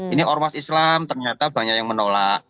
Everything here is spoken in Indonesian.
ini ormas islam ternyata banyak yang menolak